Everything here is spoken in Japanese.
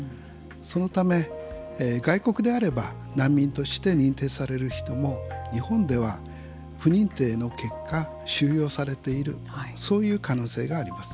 そのため、外国であれば難民として認定される人も日本では不認定の結果収容されているそういう可能性があります。